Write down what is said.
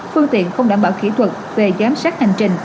phương tiện không đảm bảo kỹ thuật về giám sát hành trình